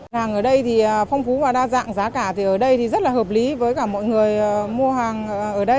hàng ở đây thì phong phú và đa dạng giá cả thì ở đây thì rất là hợp lý với cả mọi người mua hàng ở đây